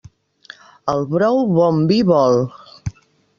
El brou bon vi vol.